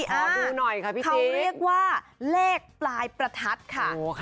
ดูหน่อยค่ะพี่เขาเรียกว่าเลขปลายประทัดค่ะ